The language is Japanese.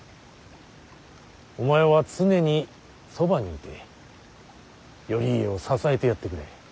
お前は常にそばにいて頼家を支えてやってくれ。